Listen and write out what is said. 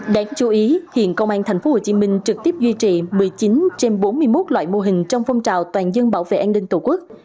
đáng chú ý hiện công an thành phố hồ chí minh trực tiếp duy trì một mươi chín trên bốn mươi một loại mô hình trong phong trào toàn dân bảo vệ an ninh tổ quốc